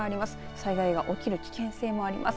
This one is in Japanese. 災害が起きる危険性もあります。